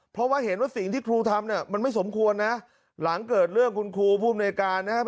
เพราะว่าเห็นว่าสิ่งที่ครูทำเนี่ยมันไม่สมควรนะหลังเกิดเรื่องคุณครูภูมิในการนะครับ